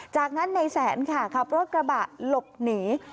จากนั้นในแสนค่ะขับรถกระบะหลบหนี